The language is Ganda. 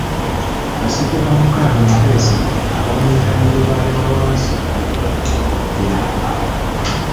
Basajja ba Mukaabya Mutesa baamuyitanga Lubaale wa wansi afuga owa waggulu.